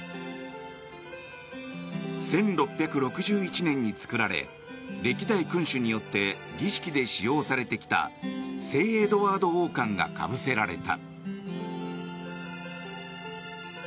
１６６１年に作られ歴代君主によって儀式で使用されてきた聖エドワード王冠がかぶせられた。